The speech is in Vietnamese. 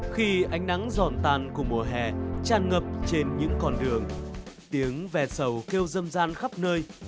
khi ánh nắng giòn tàn của mùa hè tràn ngập trên những con đường tiếng vè sầu kêu râm ràn khắp nơi